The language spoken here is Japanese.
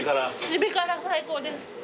しび辛最高です。